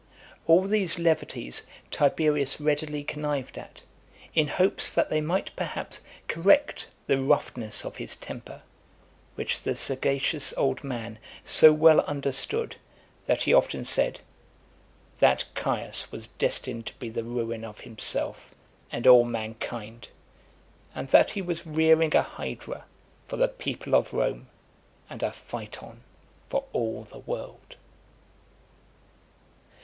All these levities Tiberius readily connived at, in hopes that they might perhaps correct the roughness of his temper, which the sagacious old man so well understood, that he often said, "That Caius was destined to be the ruin of himself and all mankind; and that he was rearing a hydra for the people of Rome, and a Phaeton for all the world."